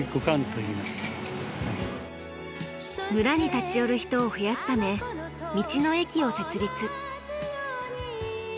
村に立ち寄る人を増やすため道の駅を設立。